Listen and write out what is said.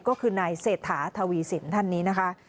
ก็คือนายเศรษฐาทวีสินท่านนี้นะคะ